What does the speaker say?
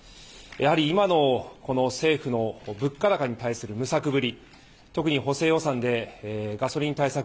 やはり今の政府の物価高に対する無策ぶり、特に補正予算でガソリン対策